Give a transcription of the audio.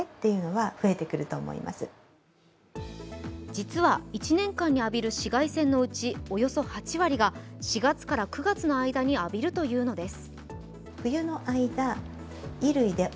実は、１年間に浴びる紫外線のうちおよそ８割が４月から９月の間に浴びるというのです。